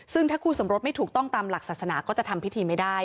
ซึ่งถ้าคู่สมรสไม่ถูกต้องตามหลักศาสนาก็จะทำพิธีไม่ได้